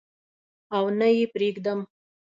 او نه یې پریدم